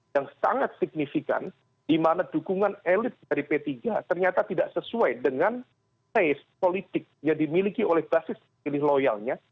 yang sangat signifikan di mana dukungan elit dari p tiga ternyata tidak sesuai dengan taste politik yang dimiliki oleh basis pemilih loyalnya